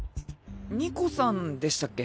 ニコさんでしたっけ？